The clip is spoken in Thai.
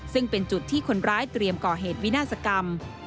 ซึ่งเป็นจุดที่คนร้ายเตรียมก่อเหตุวินาศกรรม